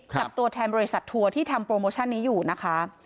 กับตัวแทนบริษัททัวร์ที่ทำโปรโมชั่นนี้อยู่นะคะ